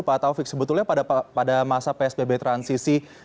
pak taufik sebetulnya pada masa psbb transisi